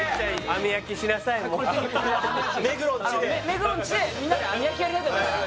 目黒んちでみんなで網焼きやりたいと思います